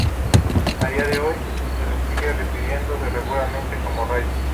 A día de hoy, se les sigue refiriendo regularmente como "Rayos".